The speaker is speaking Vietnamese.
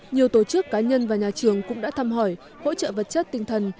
nhiều tổ chức cá nhân và nhà trường cũng đã thăm hỏi hỗ trợ vật chất tinh thần